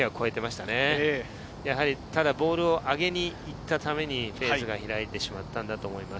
ただボールを上げに行ったために、開いていってしまったんだと思います。